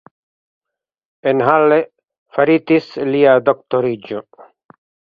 En Halle faritis lia doktoriĝo.